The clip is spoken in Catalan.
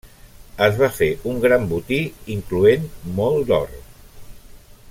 Es va fer un gran botí incloent molt d'or.